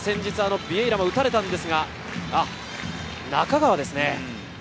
ビエイラが打たれたんですが、中川ですね。